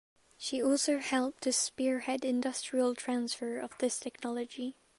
She also helped to spearhead industrial transfer of this technology.